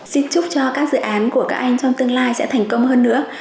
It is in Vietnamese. xin chúc cho các dự án của các anh trong tương lai sẽ thành công hơn nữa